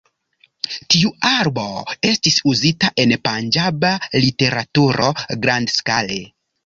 Tiu arbo estis uzita en panĝaba literaturo grandskale.